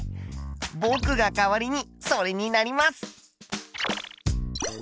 ぼくが代わりにそれになります！